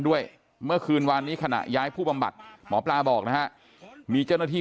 ด้วยเมื่อคืนวานนี้ขณะย้ายผู้บำบัดหมอปลาบอกนะฮะมีเจ้าหน้าที่